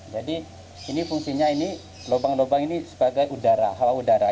jadi ini fungsinya ini lubang lubang ini sebagai udara hawa udara